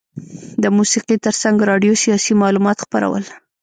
د موسیقي ترڅنګ راډیو سیاسي معلومات خپرول.